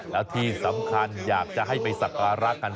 แล้วที่สำคัญอยากจะให้ไปสักการะกัน